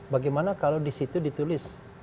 bagaimana kalau disitu ditulis